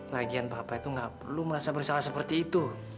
lagian bapak itu gak perlu merasa bersalah seperti itu